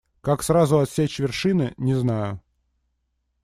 Как сразу отсечь вершины - не знаю.